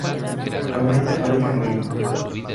Actualmente, radica en Lima.